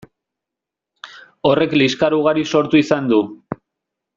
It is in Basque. Horrek liskar ugari sortu izan du.